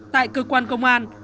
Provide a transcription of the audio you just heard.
tại cơ quan công an